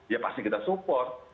ya pasti kita support